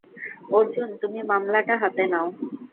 অর্জুন, তুমি মামলাটা হাতে নাও।